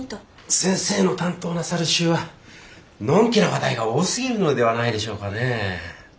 先生の担当なさる週はのんきな話題が多すぎるのではないでしょうかねえ。